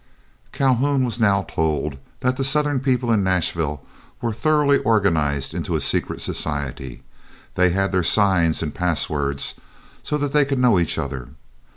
Calhoun was now told that the Southern people in Nashville were thoroughly organized into a secret society. They had their signs and pass words, so that they could know each other.